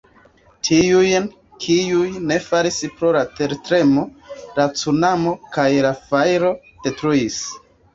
Tiujn, kiuj ne falis pro la tertremo, la cunamo kaj la fajro detruis.